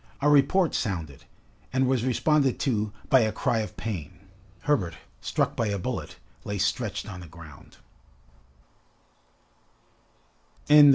A report sounded and was responded to by a cry of pain. Herbert, struck by a bullet, lay stretched on the ground.